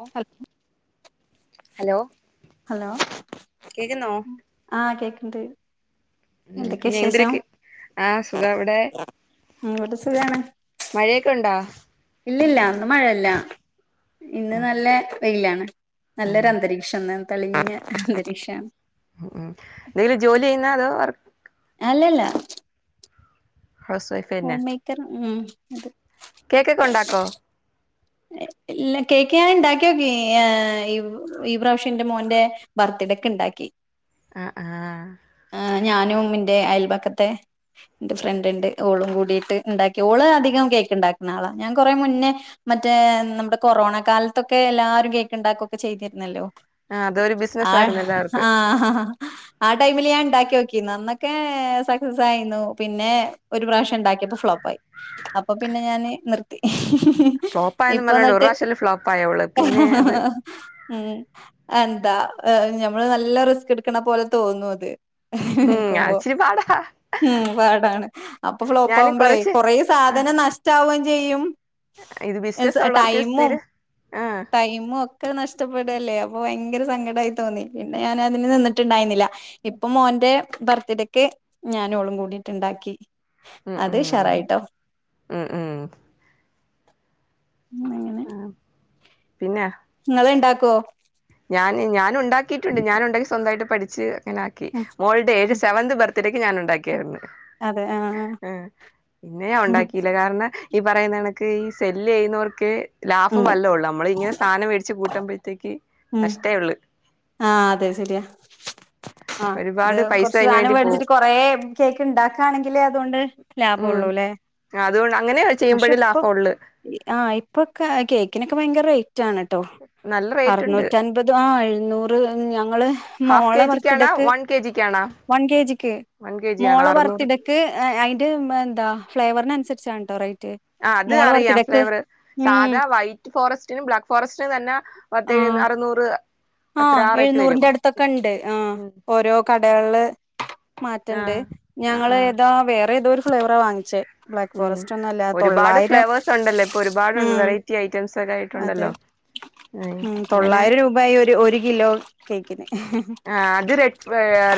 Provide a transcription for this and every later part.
ഓ ഹ [unintelligible] hello hello കേക്കുന്നോ ആഹ് കേക്ക ണ്ട് ഉം പിന്നെ എന്ന്തൊരിക്ക ആ സുഖ അവിടെ ഉം ഇവിടെ സുഖാണ് മഴയൊക്കെണ്ടോ ഇല്ലില്ല ടെ മഴല്ല ഇന്ന് ആഹ് നല്ല വെയിലാണ് നല്ലൊരു ആഹ് അന്തരീക്ഷംന്ന് തെളിഞ്ഞ അന്തരീക്ഷ ഉം ഉം എന്തെലും ജോലി ചെയ്യുന്നാ അതോ വർക്ക് അല്ലല്ല ഹൗസ് വൈഫ് ഹോം തന്നെ മേക്കർ ഉം അത് കേക്കൊക്കെ ഉണ്ടാക്കോ ഇല്ല കേക്ക് ഞാൻ ഇണ്ടാക്കോക്കി ഈ പ്രാവശ്യന്റെ മോന്റെ ബർത്ത്ഡെക്ക് ഇണ്ടാക്കി ആഹ് ആഹ് ഞാനും എന്റെ അയൽബക്ക ത്തെ ഇന്റെ ഫ്രണ്ട് ണ്ട് ഓളും കൂടിട്ട് ഇണ്ടാക്കി. ഓള് അധികം കേക്ക് ഇണ്ടാക്ക്ന്ന ആളാ. ഞാൻ കൊറെ മുന്നേ മറ്റേ നമ്മുടെ കൊറോണ കാല്ത്തൊക്കെ എല്ലാവരും കേക്കുണ്ടാക്കുക്കെ ചെയ്തിരുന്നല്ലോ. ആഹ് അതൊരു ബിസിനസ് ആഹ് ആയിരുന്നു എല്ലാവർക്ക് ആഹ് ആഹ് ആ ടൈമില് ഞാൻ ഉണ്ടാക്കി ഓക്കി. അന്നൊക്കെ സക്സസ് ആയിരുന്നു. പിന്നെ ഒരു പ്രാവശ്യം ഉണ്ടാക്കിയപ്പോ ഫ്ലോപ്പയി അപ്പൊ പിന്നെ ഞാന് നിർത്തി. ഫ്ലോപ്പ ആയെന്നും ഇപ്പൊ പറഞ്ഞണ്ട് എന്നിട്ട് ഒര്റാവശ്യല്ലേ ഫ്ലോപ്പായൊള്ള് പിന്നെ അത് ഉം എന്താ ഞമ്മള് നല്ല റിസ്ക് എടുക്കണ പോലെ തോന്നും അത്. ഉം നിക്കുമ്പോ ഇച്ചിരി പാടാ ഉം പാടാണ് അപ്പൊ ഫ്ലോപ്പ ഞാനും ആവുമ്പോളെ കൊറച്ച് കൊറേ ആഹ് സാധനം നഷ്ടവും എ ചെയ്യും. ഇത് എസ് ബിസിനസ് ഉള്ളവർക്ക് ടൈമും സ്ഥിരം ആഹ് ടൈമും ഒക്കെ നഷ്ട്ടപ്പെടല്ലേ അപ്പൊ ഭങ്കര സങ്കടായി തോന്നി. പിന്നെ ഞാന് അതിന് നിന്നിട്ടുണ്ടായിന്നില്ല. ഇപ്പൊ മോന്റെ ബർത്ത്ഡേക്കെ ഞാനോളും കൂടിട്ടുണ്ടാക്കി. ഉം അത് ഉം ഉഷാറായിട്ടോ ഉം ഉം. ഉം. ആഹ് പിന്ന ഇങ്ങള്ണ്ടാക്കോ? ഞാൻ ഞാനു ണ്ടാക്കിട്ടിണ്ട് ഞാനൊണ്ടാക്കി സ്വന്തയിട്ട് പഠി ച്ച് ആക്കി ഉം മോൾഡേജ് ഉം സെവന്ത് ബർത്ത് ഇത്തിരക്ക് ഞാനുണ്ടാക്കിയിരുന്നു. ആഹ് പിന്നെ ഞാ ഒണ്ടാക്കിയില്ല കാരണം ഈ പറയുന്ന നിക്ക് ഈ സെല്ല് ചെയ്യുന്നവർക്ക് ലാഭം ഉം വല്ലോ ഒള്ള് അമ്മളിങ്ങ സാനം വേടിച്ച് കൂട്ടമ്പഴത്തേക്ക് ഉം നഷ്ട്ടേ ഒള്ള്. ആഹ് അതെ ശരിയാ ആ ഇത് ഒരുപാട് പൈസ കുറച്ച് അതിന് സാനം വേണ്ടി പോവും വേടിച്ചിട്ട് കൊറെ കേക്ക് ണ്ടാക്കുകയാണെങ്കിലേ അതുകൊണ്ട് ഉം ലാഭള്ളൂല്ലെ. അതുകൊണ്ട് അങ്ങനെ പക്ഷെ ചെയ്യുമ്പോഴേ ഇപ്പൊ ലാഭം ഉള്ളു ആഹ് ഇപ്പൊക്കെ കേക്കിനൊക്കെ ഭയങ്കര ഏയ് റ്റാണ് ട്ടോ നല്ല റേറ്റ് ഉണ്ട് അറനൂറ്റൻപത് ആ നൂർ ർ ഞങ്ങ ങ്ങള് ഹാഫ് മോള കെ ബർത്ത് ജിക്കാണോ ഡേക്ക് വൺ കെ ജിക്കാണോ വൺ കെ ജിക്ക് വൺ കെ ജി ആണോ മോള ബർത്ത് അറുന്നൂറ് ഡേക്ക് അയിന്റെ എന്താ ഫ്ലേവറിനനുസരിച്ചാണ്. തറയി ആ അത് അറിയാം ഫ്ലേവറ് ഉം സാധാ വൈറ്റ് ഫോറസ്റ്റിനും ബ്ലാക്ക് ഫോറസ്റ്റിന് തന്നെ പത്തെഴ് അറുനൂറ് ആ എഴുന്നൂറിന്റെ അടുത്തൊക്കെ ഉണ്ട് ആ ഓരോ കടകള് മാറ്റണ്ട് ആഹ് ആഹ് ഞങ്ങള് ആഹ് ഏതോ വേറെ ഏതോ ഫ്ലേവറാ വാങ്ങിച്ചേ ബ്ലാക്ക് ഉം ഫോറസ്റ്റ് ഒന്നും അല്ല ഒരുപാട് തൊള്ളായിരം ഫ്ലവേഴ്സ് ഉണ്ടല്ലേ ഇപ്പൊ ഒരുപാട് ഉണ്ട് ഉം വേറയ്റ്റി ഐറ്റമ്സൊക്കെ അതെ ആയിട്ടുണ്ടല്ലോ ഹ് ഉം അങ്ങനെ തൊള്ളായിരം രൂപായി ഒരു ഒരു കിലോ കേക്കിന് ആഹ് അത് റെഡ്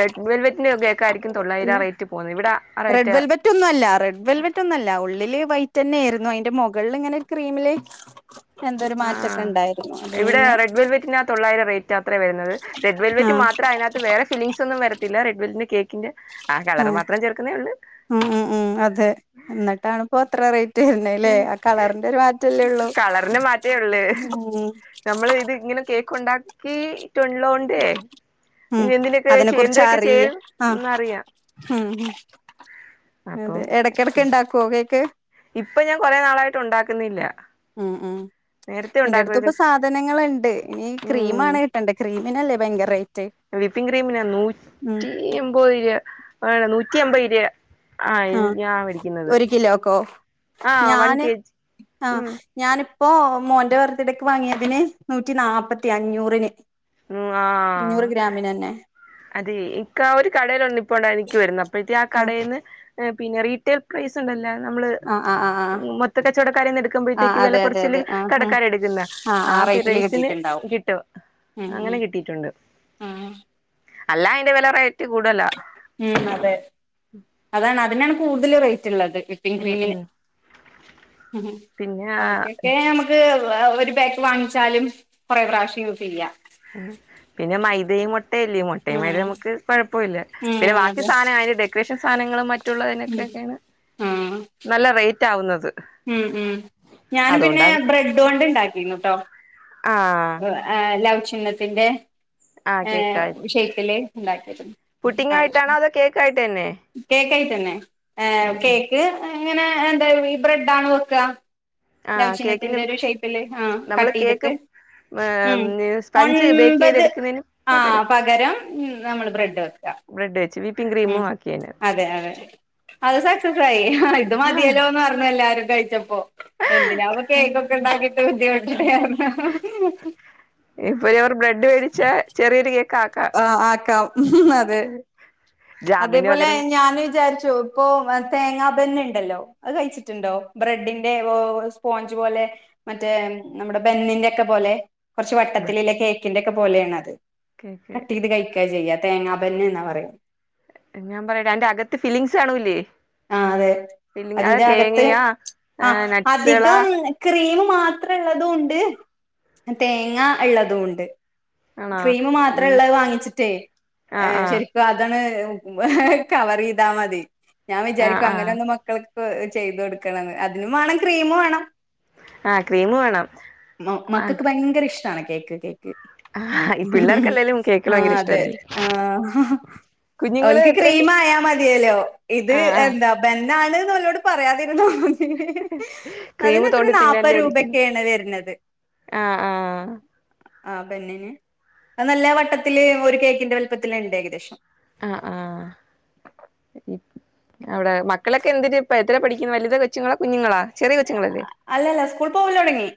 റെഡ് വെൽവെറ്റിന്റെ കേക്ക് ആയിരിക്കും അല്ല തൊള്ളായിരം റേറ്റ് പോകുന്നത് ഇവിടെ ആ റെഡ് റേറ്റ് വെൽവെറ്റൊന്നും അല്ല റെഡ് വെൽവെറ്റൊന്നും അല്ല ഉള്ളില് വൈറ്റ്നായിരുന്നു അതിന്റെ മുക മുകളില്ങ്ങനെ ക്രീമില് എന്തൊരു ആ മാറ്റൊക്കെ ഉണ്ടായിരുന്നു അതിൽ ഇവിടെ നിന്ന് റെഡ് വെൽവെറ്റിനാ തൊള്ളയിരം റൈ റ്റാ വരുന്നത് റെഡ് വെൽവെറ്റ് ആഹ് മാത്രം അതിനകത് വേറെ ഫില്ലിങ്ങ്സൊന്നും വരത്തില്ല റെഡ് വെ ഇത് കേക്കിന്റെ ആ കളർ മാത്രം ചേർക്കുന്നേ ഉള്ളൂ ആ ആ അതെ നിട്ടാണ് അത്ര റൈ ഉള്ളൂ കളറിന് മറ്റേ ഒള്ളേ ഉം നമ്മള് ഇത് ഇങ്ങനെ കേക്ക് ഉണ്ടാക്കി ഹ് എന്തിനൊക്കെ അതിനെ കുറിച് എന്തിനൊക്കെ അറി ചേരും അ എന്നറിയാം ഹ്മ് അപ്പൊ അതെ എഡകെടക്ക് ഉണ്ടാകോ കേക്ക് ഇപ്പൊ ഞാൻ കുറെ നളായിട്ട് ഉണ്ടാകുന്നില്ല അ ആ എന്റെ അടുത്ത് ഇപ്പൊ സാധനങ്ങള് ഇണ്ട് ഇനി ഉം ക്രീമാണ് കിട്ടേണ്ടേ ക്രീമിനല്ലേ ഭയങ്കര റേറ്റ് വിപ്പിംഗ് ക്രീമിന് ഉം നൂറ്റി എമ്പത് രൂപ റ്റി അമ്പയ് രൂപ ആഹ് ഹാ ഞാൻ മേടിക്കുന്നത് ഒരു കിലോക്കോ ആഹ് വൺ ഞാന് കെ ജി അ ഉം ഞാന് പ്പൊ മോന്റെ ബർത്തിടയ്ക് വാങ്ങിയതിന് നൂറ്റി നാപ്പത്തി അഞ്ഞൂറിന് ഹ് ആ അഞ്ഞൂറ് ഗ്രാമിനെന്നെ അതെ ഇന്ക് ഒരു കടേല് നിപ്പു നിക്കണ്ടായിനി അപ്പോഴത്തേക് ആ ആഹ് കടേന്ന് [unintelligible] നമ്മള് ആഹ് ആഹ് ആഹ് ആഹ് മൊത്ത കച്ചവടക്കാരെന്ന് ആഹ് എടുക്കുബോയത്തേക് വേല അതെ അതെ കൊറച്ചില് അതെ ആഹ് ഉം കടകാര് എടുക്കുന്നെ ആഹ് ആ റേറ്റില് റൈസിന് കിട്ടിയിട്ടുണ്ടാവും കിട്ടും ഉം അങ്ങനെ ഉം കിട്ടീട്ടുണ്ട് ആഹ് അല്ലയ്ന്റെ വേല റൈറ്റ് കൂടുതലാ ഹ് അതെ അതാണ് അതി കൂടുതല് റൈറ്റ്ള്ളത് വിപ്പിംഗ് ഉം ക്രീമിന് ഉം ഹ് പിന്നെ ബാക്കി ഒക്കെ നമുക്ക് വെ ഒരു പേക്ക് വാഗിച്ചാലും കുറെ പ്രാവശ്യം യൂസ് യ പിന്നെ മൈദയും ട്ടയല്ലേ മൊട്ടയും ഉം മൈദയും നമ്മക്ക് കോയ പോല്യ ഉം ബാക്കി അതെ സാനം അയ്ന്റെ ഡെകാറേഷൻ സാദനങ്ങളും ഉം മ ആഹ് [inaudible] തെറ്റാവുന്നത് ഉം.. ഉം.. ഞാനും പിന്നെ ബ്രെഡുകൊണ്ടുണ്ടാക്കിയിരുന്നീട്ടോ ആ അ.. ആ.. ലൗ ചിഹ്നത്തിന്റെ പിന്നെ ഏ.. ഇല്ലായ് പുട്ടിംങ്ങായിട്ടാണോ അതോ കേക്കായിട്ടുതന്നെ കേക്കായിട്ട് തന്നെ ആ.. കേക്ക്, അ എങ്ങനെഎന്തായീബ്രെഡാണ് വെക്കുക. ആഹ് കേക്കിന് ലൗചിഹ്നത്തിന്റെ ഒരു ഷേപ്പില് ആ.. നമ്മള് കട്ട് കേക്ക് ചെയ്തിട്ട് ഉം.. സ്പഞ്ച് ബേക്ക് ഒൻപത് ചെയ്തെടുക്കുന്നതിന് ആ. പകരം നമ്മള് ബ്രെഡ്‌വെക്കുക. ബ്രെഡ് വെച്ച് ക്രീമും ആക്കിയേനെ അത് സക്സസ്സായി ഇത് മതിയല്ലോന്ന് പറഞ്ഞെല്ലാ കഴിച്ചപ്പോ എന്തിനായിപ്പംകേക്കൊക്കെ ഉണ്ടാക്കിയിട്ട് ബുദ്ധിമുട്ടണേന്ന് ഇപ്പൊ ഒരു ബ്രെഡ് മേടിച്ച ചെറിയൊരു കേക്ക് ആക്കാം അ.. ആക്കാമതെ ജാമിന് അതേപോലെ പകരം ഞാനും വിചാരിച്ചു. ഇപ്പൊമെസേ തേങ്ങാ ബന്ന ഉണ്ടല്ലോ അത് കഴിച്ചിട്ടുണ്ടോ ബ്രെഡിന്റെ സ്പോഞ്ച് പോലെ മറ്റേ നമ്മുടെ ബന്നിന്റെ ഒക്കെ പോലെ കുറച്ചുവട്ടത്തിലല്ലേ കേക്കിന്റെ ഇതുപോലെയാണത് കേക്ക് കട്ട് ചെയ്തുകഴിക്കാ ചെയ്യാ തേങ്ങാപ്പന്നയെന്നാ പറയുക ഞാൻപറയട്ടെ, അതിന്റെ യകത്ത്ഫിലിംങ്സ് കാണൂല്ലേ ആഹ് അതെ അതിന്റെ അകത്ത് മാത്രമുള്ളതുമുണ്ട്. തേ ആണോ ഈ ക്രീമുമാത്രമുള്ളത് വാങ്ങിച്ചിട്ടേ, ഏ.. ആഹ് ആഹ് ശരിക്കും അതി കവർചെയ്താൽമതി ഞാൻ ആഹ് വിചാരിക്കും, ആഹ് അങ്ങനെയൊക്കെകുറചു ചെയ്തു കൊടുക്കണെന്ന് അതിനുംവേണം, ക്രീമു വേണം. ആ.. ക്രീമുവേണം. ട്ടാണ് കേക്ക് കേക്ക് ഈ പിള്ളേർക്കല്ലേലും കേക്കുകള് ആ ഭയങ്കര അതെ ഇഷ്ടല്ലേ ആ കുഞ്ഞുങ്ങള് ഓൽക്ക് എത്രൽ ക്രീം ആയാ മതിയല്ലോ ഇത് ആ ആ എന്താ [unintelligible] പറയാതെ ഹി ഹി ഹി ക്രീം അതിനെത്ര തോണ്ടി തിന്നല്ലേ നാൽപ്പത് ഇരിക്കുന്നു രൂപക്കെയാണ് വരുന്നത് ആ ആ നല്ല വട്ടത്തില് ഒരു കേക്കിന്റെ വലിപ്പത്തില് ഉണ്ട് ഏകദേശം അ ആ അവിടെ മക്കളൊക്കെ എന്തിര് ഇപ്പ എത്ര പഠിക്കുന്നു വലുത കൊച്ചുങ്ങളാ കുഞ്ഞുങ്ങളാ ചെറിയ കൊച്ചുങ്ങളല്ലേ അല്ലല്ല സ്കൂൾ പോവല് തുടങ്ങി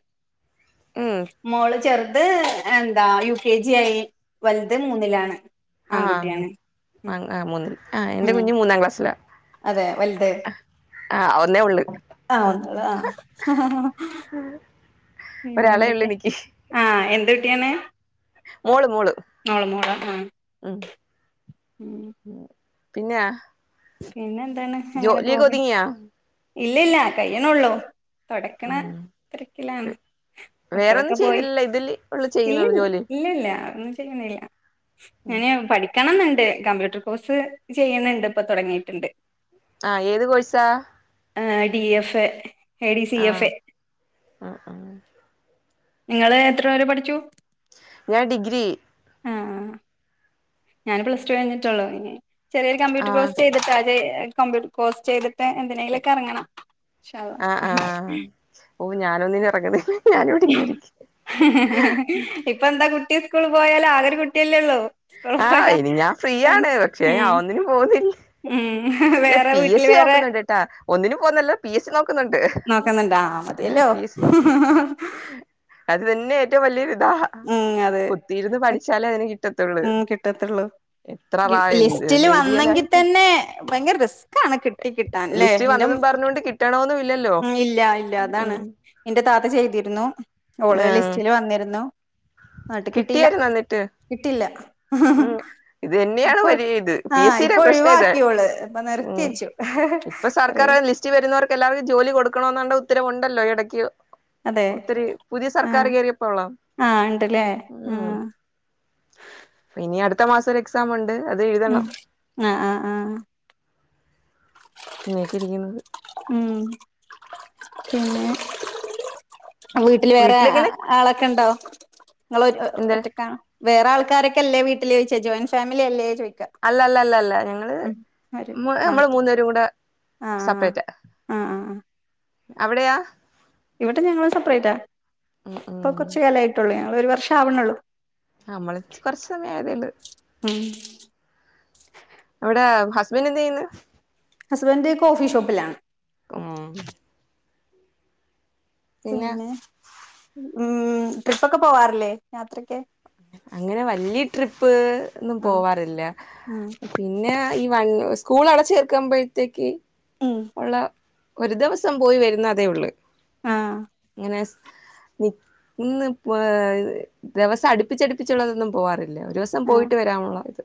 ഉം മോള് ചെറുത് യൂ കെ ജി ആയി വല്ത് മൂന്നിലാണ് ആഹ് ആൺകുട്ടിയാണ് ഉം ആ മൂന്നിൽ ആ എന്റെ ഉം കുഞ്ഞ് മൂന്നാം ക്ലാസ്സില ആ ഒ അ ആ ഹ ഹ ഹ ഒരാളെ ഉള്ളു പിന്നെന്തൊക്കെ എനിക്ക് ആഹ് എന്റെ ങ്ങനെ മോള് മോള് ഉം പിന്ന പിന്നെ ജോലി ഒക്കെ ഒതുങ്ങിയ ഇല്ലില്ല കയ്യിനെ ഉള്ളു തുടക്കണ ഉം തിരക്കിലാണ് മക്കളൊക്കെ വേറൊന്നും പോയി ചെയ്യുന്നില്ല ഇതില് ഉള്ളു ചെയ്യുന്നുള്ളു ജോലി ഇല്ലില്ല ഒന്നും ചെയ്യണില്ല ഞാന് പഠിക്കണം ന്നുണ്ട് കമ്പ്യൂട്ടർ കോഴ്സ് ചെയ്യുന്നുണ്ട് ഇപ്പ തുടങ്ങി ട്ടുണ്ട് ആഹ് ഏത് കോഴ്സാ D F A A D C ആ എഫ് എ ആ ആ നിങ്ങള് എത്ര വരെ പഠിച്ചു ഞാൻ ഡിഗ്രി ഞാന് പ്ലസ് ടു കഴിഞ്ഞിട്ടേ ഉള്ളു ഇനി ചെറിയൊരു കമ്പ്യൂർ ആഹ് കോഴ്സ് ചെയ്തിട്ടാലേ കമ്പ്യൂട്ടർ കോഴ്സ് ചെയ്തിട്ട് എന്തിനേലും ഒക്കെ ഇറങ്ങണം ആ ആ ഓ ഞാനൊന്നിനും ഇറങ്ങുന്നില്ല ഞാനിവിടെ ഇങ്ങന സ്കൂൾ പോയാൽ ആകെയൊരു കുട്ടിയല്ലേ ഉള്ളൂ സ്കൂള് ആഹ് പോയാ ഇനി ഞാൻ ഫ്രീയാണ് തനിച്ച് പക്ഷെ ഞാൻ ഉം ഒന്നിനും പോന്നില്ല ഉം അല്ല വേറെ പി എസ് വീട്ടില് സി വേറെ നോക്കുന്നുണ്ട്ട്ടാ ഒന്നിനും പോന്നില്ല പി എസ് സി നോ നോക്കുന്നുണ്ടാ മതിയല്ലോ എസ് സി ഹ നോക്കുന്നു ഹ അത് തന്നെ ഏറ്റവും വലിയ ഹ അതെ കുത്തിരുന്ന് പഠിച്ചാലെ അതിന് കിട്ടത്തുള്ളൂ ഉം കിട്ടത്തുള്ളൂ എത്ര റാ കിട്ടി എന്ത് ലിസ്റ്റില് വന്നെങ്കി എഴുതിയാലായിട്ട് തന്നെ ഭയങ്കര റിസ്ക്കാണ് കിട്ടി കിട്ടാൻല്ലേ ലിസ്റ്റ് എന്റെ ഉം വന്നതും പറഞ്ഞോണ്ട് കിട്ടണോന്നും ഇല്ലല്ലോ ഇല്ല ഇല്ല അതാണ് ഉം എന്റെ താത്ത ചെയ് ഇരുന്നു ഓള് ആഹ് ലിസ്റ്റില് വന്നിരുന്നു നാട്ട് കിട്ടീലാ കിട്ടിയായിരുന്നു എന്നിട്ട് ആ ഉം ഇതന്നെയാണ് വലിയ ഇത് പി ആഹ് എസ് സി ടെ ഇപ്പൊ പ്രശ്ന ഇത് ഒഴിവാക്കിയോള് ഇപ്പൊ ഉ നിർത്തി വെച്ചു ഇപ്പ കൊറേ സർക്കാർ ലിസ്റ്റി വരുന്നോർക്കെല്ലാർക്കും ജോലി കൊടുക്കണോന്നൊ- ഉത്തരവുണ്ടല്ലോ ഇടയ്ക്ക് അതെ ഒത്തിരി പുതിയ സർക്കാർ ആഹ് കയറിയപ്പോള്ള ആഹ് ഇണ്ടല്ലേ ആ ഉം ഇനി അടുത്ത മാസം ഒരു എക്സാം ഇണ്ട് ഉം ആഹ് ആഹ് ആഹ് ഇങ്ങനക്കെരിക്കണത് ഉം പിന്നേ വീട്ടിൽ വേറെ വീട്ടിലെങ്ങനെ ആളൊക്കെ ഇണ്ടോ നിങ്ങള് ഒ എന്ത ഒറ്റക്കാണോ വേറെ ആൾക്കാരൊക്കെല്ലെ വീട്ടില് ചോച്ചെ ജോയിറ്റ് ഫാമിലി അല്ലേ ചോയ് അല്ലല്ല അല്ല അല്ല ഞങ്ങള് അവര് ആഹ് നമ്മള് മൂന്നേരും കൂടെ- ആഹ് സെപ്പറേറ്റാ അ ആഹ് അവിടെയാ ഇവിടെ ഞങ്ങള് സപ്പറേറ്റാ ഉം ഉം ഇപ്പൊ കുറച്ച് കാലെയിട്ടുള്ളയ ഒരു വർഷാവണേള്ളൂ നമ്മള് കൊറച്ച് സമയായതേള്ളു ഉം [inaudible] അവിടെ ഹസ്ബന്റെന്തെയ്യെന്ന്? ഹസ്ബന്റ് കോഫിഷോപ്പിലാ. ഊം പിന്നെ ഉം ട്രിപ്പൊക്കെ പോവാറില്ലെ? യാത്രക്കെ. അങ്ങനെ വല്ല്യ ട്രിപ്പ് ഒന്നും ആ പോവാറില്ല ഉം പിന്നെ ഈ വൺ സ്കൂൾ അടച്ചേർക്കുമ്പോഴ്ത്തേക്ക് ഉം ഒള്ള ഒരു ദിവസം പോയി വരുന്ന അതേ ഒള്ള്. ആ ഇങ്ങനെ നി നിന്ന് ഏഹ് ദിവസം അടുപ്പിച്ചടുപ്പിച്ചുള്ളതൊന്നും പോവാറി ല്ല ഒരൂസം ആ പോയിട്ട് വരാവൊൻള്ള ഇത്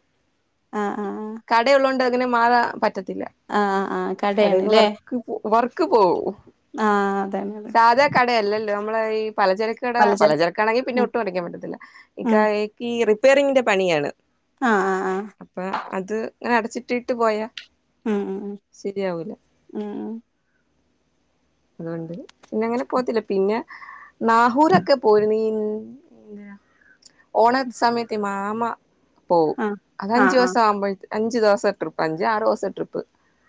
ആ ആ കട യുള്ളോണ്ട് അങ്ങനെ മാറാൻ പറ്റ അഹ് ആഹ് കടേന്ന് വർക്ക് പ് വർക്ക് പോവും ആഹ് അതന്നെന് സാധാ കടയല്ലല്ലോ നമ്മളെ ഈപ് പല ചെരക്കട പലചരക്കാണെങ്കി പിന്നെ ഉം ഒട്ടും അനക്കാൻ പറ്റത്തില്ല ഉം ഇക്കാണെങ്കി ഇകീറി പെറിങ്ങിൻ്റെ പണിയാണ് ആ ആ ആ അപ്പ അത് അങ്ങനെ അടച്ചിട്ട്ട്ട് പോയാ ഉം ഉം ഉം ശെരിയാവൂല്ല ഉം അതുകൊണ്ട് പിന്നെ അങ്ങനെ പോത്തില്ല പിന്നെ നാഹൂറൊക്കെ പോരുനീ ഉം ഓണസമയത്തെ മാമ പോവും ആ ആ ആ അതഞ്ചുസവുമ്പോഴ അഞ്ച് ദോസ ട്രിപ്പ് അഞ്ച് ആറ് ദോസ ട്രിപ്പ്.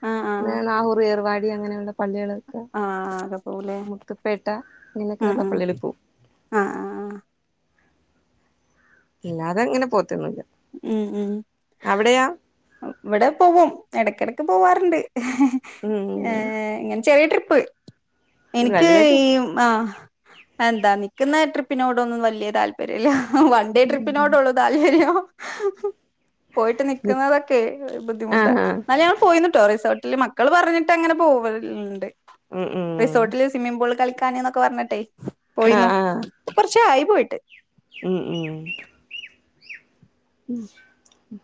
ആ ആ പിന്നെ നാഹൂറ് ഏർവാ ടി അങ്ങനെയുള്ള പള്ളികളൊക്കെ ആഹ് ആകെപോവൂലെ മുത്തുപ്പേട്ട ഉം ഇങ്ങനെയൊക്കെയുള്ള ഉം പള്ളികളിൽ പോവും ആഹ് ആഹ് അഹ് ഇല്ലാതങ്ങനെ പോത്തൊന്നൂല്ല ഉം ഉം ഇവടെ പോവും എടക്കെടക്ക് പോവാറുണ്ട് ഏ ഉം ഇങ്ങനെ ചെറിയ ട്രി പ്പ് എനിക്ക് വലുതായിട്ട് ഈ ആ എന്താ നിക്കുന്നെ ട്രി പിനോടൊന്നും വല്യേ താല്പര്യല്ല. വൺ ഡേ ട്രിപ്പിനോടൊള്ളൂ താൽപ്പര്യം പോയിട്ട് നിക്കുന്നതൊക്കെ ബുദ്ധിമുട്ടാ ആഹ് ആഹ് ന്നാലും ഞ [unintelligible] പോയിന്ന്ട്ടോ റിസോ മക്കള് പറഞ്ഞിട്ട് അങ്ങനെ പോവല് ണ്ട് ഉം ഉം റിസോട്ടില് സ്വിമ്മിങ്ങ് പൂളിൽ കളിക് ക്കാന്ന്നൊക്കെ പറഞ്ഞിടൈ പോയിന്നു. ആഹ് ആഹ് കുറച്ചായി പോയിട്ട്. ഉം ഉം ഉം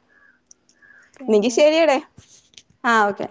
ന്നെങ്കി പിന്നെ ശരിയെടെ. ആഹ് ഓക്കെ